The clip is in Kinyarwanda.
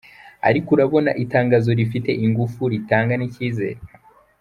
ariko urabona itangazo rifite ingufu ritanga n’ikizere!